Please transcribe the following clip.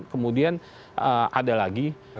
kemudian ada lagi